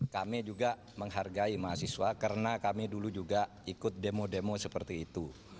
kami juga menghargai mahasiswa karena kami dulu juga ikut demo demo seperti itu